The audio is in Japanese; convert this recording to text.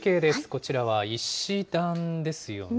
こちらは石段ですよね。